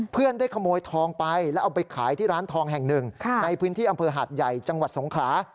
ได้ขโมยทองไปแล้วเอาไปขายที่ร้านทองแห่งหนึ่งในพื้นที่อำเภอหาดใหญ่จังหวัดสงขลา